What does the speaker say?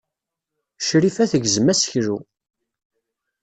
Crifa tegzem aseklu.